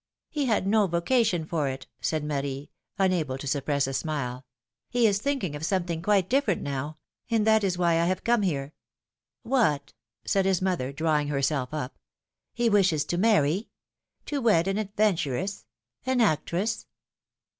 '^He had no vocation for it," said Marie, unable to PHILOMiiNE's MARRIAGES. 271 suppress a smile; ^^Iie is thinking of something quite different now; and that is why I have come here.'^ ^^What?^^ said his mother, drawing herself up, ^^he wishes to marry? To wed an adventuress? An actress